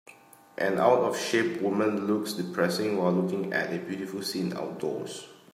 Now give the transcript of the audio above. An outofshape woman looks depressing while looking at a beautiful scene outdoors.